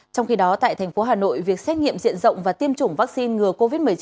trong khi đó tại thành phố hà nội việc xét nghiệm diện rộng và tiêm chủng vaccine ngừa covid một mươi chín